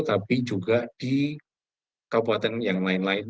tapi juga di kabupaten yang lain lain